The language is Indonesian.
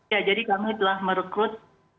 ya jadi kami telah merekrut